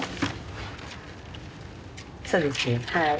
そうですねはい。